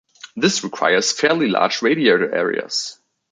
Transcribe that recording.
This requires fairly large radiator areas.